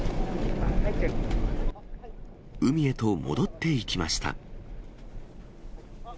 海へと戻っていきました。